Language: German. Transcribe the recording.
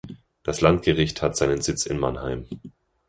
Das Landgericht hat seinen Sitz in Mannheim.